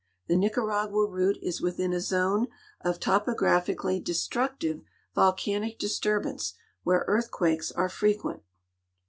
The Nicaragua route is within a zone of topo gra])hically destructive volcanic disturbance, where earthquakes are frequent.